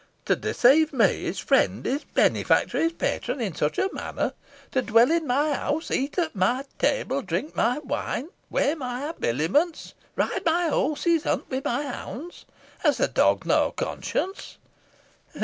To deceive me, his friend, his benefactor, his patron, in such a manner; to dwell in my house, eat at my table, drink my wine, wear my habiliments, ride my horses, hunt with my hounds! Has the dog no conscience?"